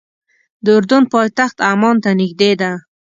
د اردن پایتخت عمان ته نږدې ده.